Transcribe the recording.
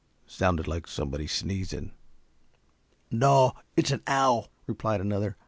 "Sounded like somebody sneezing." "No, it's an owl," replied another.